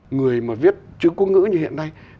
người mà viết chữ quốc ngữ như hiện nay